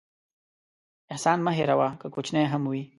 احسان مه هېروه، که کوچنی هم وي.